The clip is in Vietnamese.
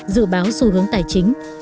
dự báo xu hướng tài chính